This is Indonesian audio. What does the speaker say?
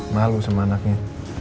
malu sama anaknya